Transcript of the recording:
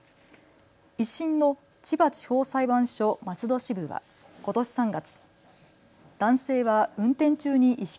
１審の千葉地方裁判所松戸支部はことし３月、男性は運転中に意識